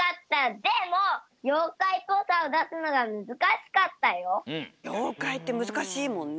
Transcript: でもようかいってむずかしいもんね。